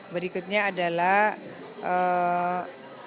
berikutnya adalah saya rasa relawan yang tumbuh secara natural gitu luar biasa